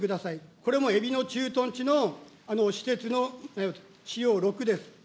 これもえびの駐屯地の施設の資料６です。